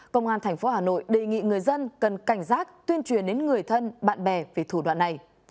công an tp hà nội đề nghị người dân cần cảnh giác tuyên truyền đến người thân bạn bè về thủ đoạn này